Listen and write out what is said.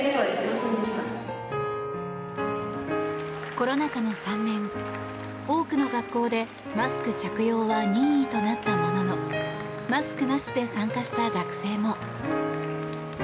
コロナ禍の３年、多くの学校でマスク着用は任意となったもののマスクなしで参加した学生も。